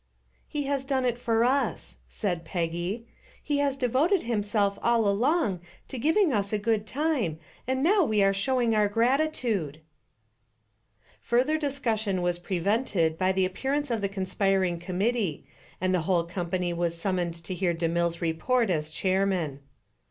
"He has done it for us," said Peggy. "He has devoted himself all along to giving us a good time and now we are showing our gratitude." Further discussion was prevented by the appearance of the conspiring committee and the whole company was summoned to hear DeMille's report as chairman.